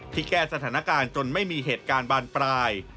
แก้สถานการณ์จนไม่มีเหตุการณ์บานปลาย